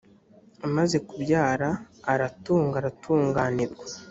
amaze kubyara aratunga aratunaginirwa